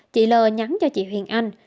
chị l nhắn cho chị huyền anh